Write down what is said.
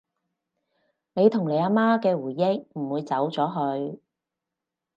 你同你阿媽嘅回憶唔會走咗去